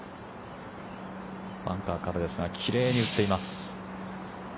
バンカーからですが奇麗に打っています。